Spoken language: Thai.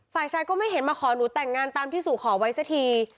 ฝ่ายชายก็ไม่เห็นมาขอหนูแต่งงานตามที่สู่ขอไว้สักที